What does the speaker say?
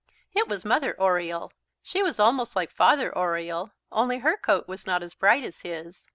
It was Mother Oriole. She was almost like Father Oriole, only her coat was not as bright as his.